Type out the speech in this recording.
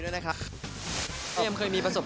ดีด้วยได้ครับ